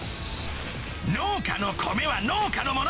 農家の米は農家のもの！